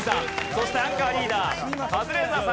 そしてアンカーリーダーカズレーザーさんに回ります。